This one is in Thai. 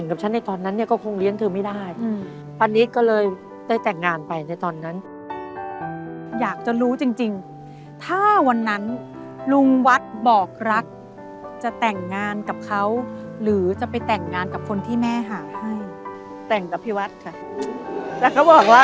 ค่ะค่ะค่ะค่ะค่ะค่ะค่ะค่ะค่ะค่ะค่ะค่ะค่ะค่ะค่ะค่ะค่ะค่ะค่ะค่ะค่ะค่ะค่ะค่ะค่ะค่ะค่ะค่ะค่ะค่ะค่ะค่ะค่ะค่ะค่ะค่ะค่ะ